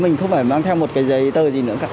mình không phải mang theo một cái giấy tờ gì nữa cả